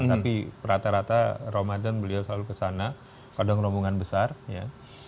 tapi rata rata ramadan beliau selalu kesana kadang rombongan besar ya